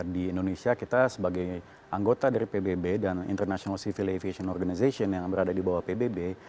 di indonesia kita sebagai anggota dari pbb dan international civil aviation organization yang berada di bawah pbb